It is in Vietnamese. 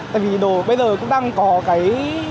tại vì đồ bây giờ cũng đang có cái